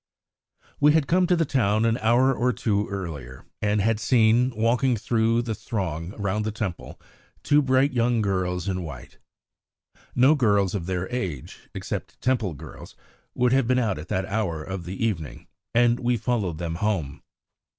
We had come to the town an hour or two earlier, and had seen, walking through the throng round the Temple, two bright young girls in white. No girls of their age, except Temple girls, would have been out at that hour of the evening, and we followed them home.